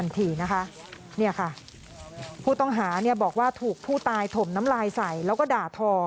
นี่ค่ะผู้ต้องหาบอกว่าถูกผู้ตายถมน้ำลายใส่แล้วก็ด่าทอ